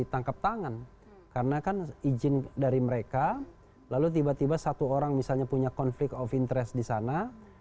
tangkap tangan karena kan izin dari mereka lalu tiba tiba satu orang misalnya punya conflict of interest di sana